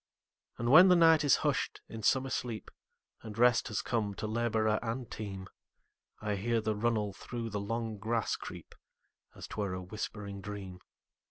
And when the night is hush'd in summer sleep, And rest has come to laborer and team,I hear the runnel through the long grass creep, As 't were a whispering dream.